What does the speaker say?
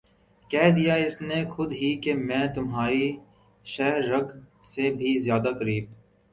کہہ دیا اس نے خود ہی کہ میں تمھاری شہہ رگ سے بھی زیادہ قریب